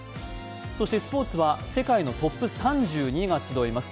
そしてスポーツは世界のトップ３２が集います